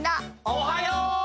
おはよう！